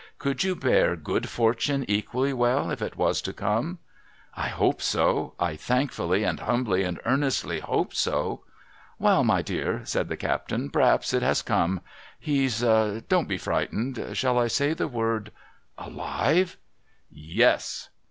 Could you bear good fortune equally well, if it was to come ?'' I hope so. I thankfully and humbly and earnestly hope BO !' Wa'al, my dear,' said the captain, ' p'r'haps it has come. He's —' don't be frightened — shall I say the word '* Alive ?'' Yes